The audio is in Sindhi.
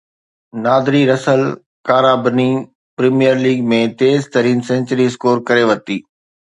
نادري رسل ڪارابني پريميئر ليگ ۾ تيز ترين سينچري اسڪور ڪري ورتي